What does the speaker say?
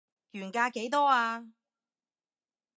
原價幾多啊